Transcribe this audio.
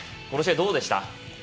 この試合どうでした？